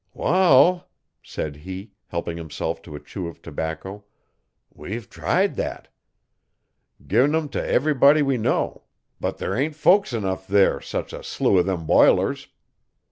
'Wall,' said he, helping himself to a chew of tobacco, 'we ve tried thet. Gin 'em t'everybody we know but there ain't folks enough' there's such a slew o'them bilers.